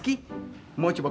oh ini dia